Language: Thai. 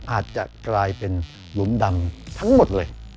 อาจจะกลายเป็นหลุมดำทั้งหมดเลย